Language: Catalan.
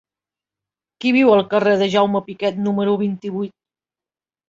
Qui viu al carrer de Jaume Piquet número vint-i-vuit?